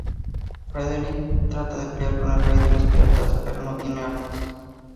Frederic trata de pelear con el Rey de los Piratas, pero no tiene armas.